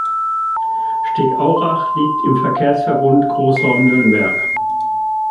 Stegaurach liegt im Verkehrsverbund Großraum Nürnberg.